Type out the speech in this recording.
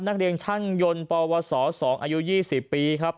นักเรียนช่างยนต์ปวส๒อายุ๒๐ปีครับ